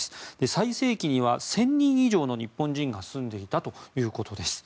最盛期には１０００人以上の日本人が住んでいたということです。